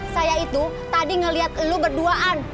saya itu tadi ngeliat lo berduaan